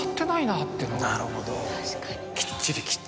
なるほど。